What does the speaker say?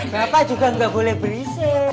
kenapa juga gak boleh berisik